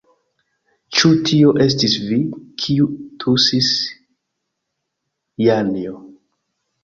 Ĉu tio estis vi, kiu tusis, Janjo?